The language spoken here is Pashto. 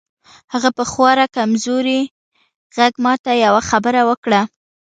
هغه په خورا کمزوري غږ ماته یوه خبره وکړه